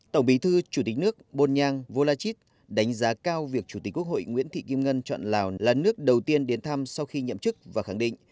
tổng bí thư chủ tịch nước bồn nhang vô la chít đánh giá cao việc chủ tịch quốc hội nguyễn thị kim ngân chọn lào là nước đầu tiên đến thăm sau khi nhậm chức và khẳng định